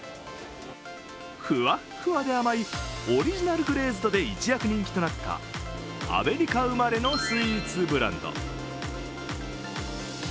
ふわっふわで甘いオリジナル・グレーズドで一躍人気となったアメリカ生まれのスイーツブランド。